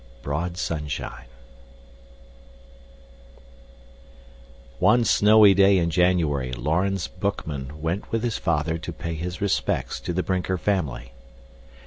Broad Sunshine One snowy day in January Laurens Boekman went with his father to pay his respects to the Brinker family.